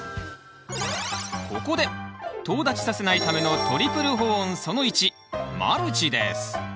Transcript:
ここでとう立ちさせないためのトリプル保温その１マルチです